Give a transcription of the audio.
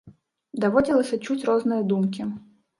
Даводзілася чуць розныя думкі.